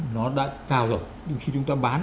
nó đã cao rồi nhưng khi chúng ta bán